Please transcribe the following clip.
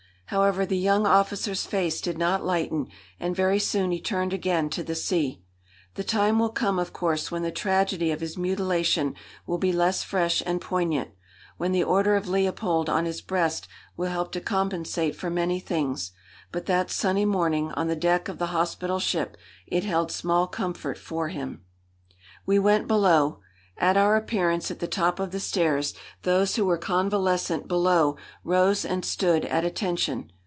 However, the young officer's face did not lighten, and very soon he turned again to the sea. The time will come, of course, when the tragedy of his mutilation will be less fresh and poignant, when the Order of Leopold on his breast will help to compensate for many things; but that sunny morning, on the deck of the hospital ship, it held small comfort for him. We went below. At our appearance at the top of the stairs those who were convalescent below rose and stood at attention.